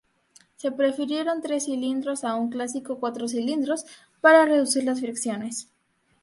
Se prefirieron tres cilindros a un clásico cuatro cilindros para reducir las fricciones.